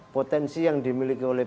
potensi yang dimiliki oleh